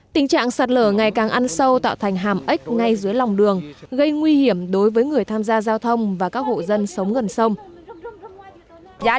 tình trạng sạt lở ngày càng ăn sâu tạo thành hàm ếch ngay dưới lòng đường gây nguy hiểm đối với người tham gia giao thông và các hộ dân sống gần sông